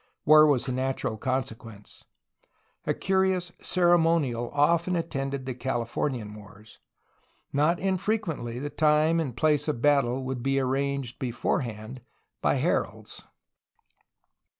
War was the natural consequence. A curious ceremonial often attended the Californian wars. Not infrequently the time and place of battle would be arranged beforehand by heralds.